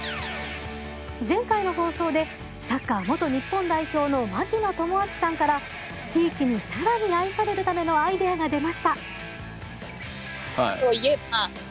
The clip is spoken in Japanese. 前回の放送でサッカー元日本代表の槙野智章さんから地域に更に愛されるためのアイデアが出ました。